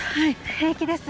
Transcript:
平気です。